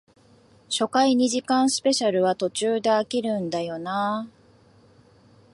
初回二時間スペシャルは途中で飽きるんだよなあ